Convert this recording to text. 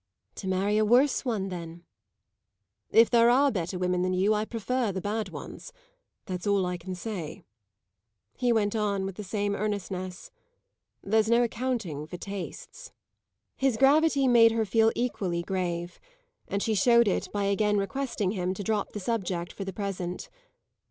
"To marry a worse one then." "If there are better women than you I prefer the bad ones. That's all I can say," he went on with the same earnestness. "There's no accounting for tastes." His gravity made her feel equally grave, and she showed it by again requesting him to drop the subject for the present.